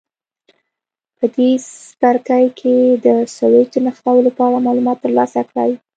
په دې څپرکي کې د سویچ د نښلولو په اړه معلومات ترلاسه کړئ.